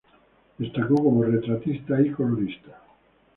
Destacó como retratista y colorista.